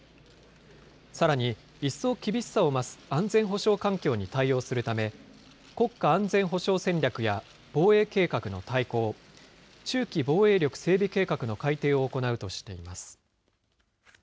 さらに、一層厳しさを増す安全保障環境に対応するため、国家安全保障戦略や防衛計画の大綱、中期防衛力整備計画の改定を行うとしています。